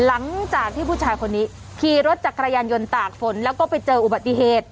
หลังจากที่ผู้ชายคนนี้ขี่รถจักรยานยนต์ตากฝนแล้วก็ไปเจออุบัติเหตุ